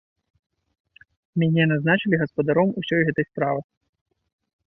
Мяне назначылі гаспадаром усёй гэтай справы.